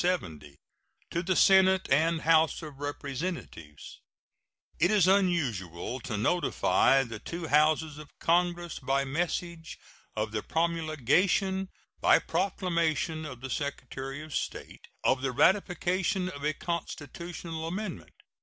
To the Senate and House of Representatives: It is unusual to notify the two Houses of Congress by message of the promulgation, by proclamation of the Secretary of State, of the ratification of a constitutional amendment.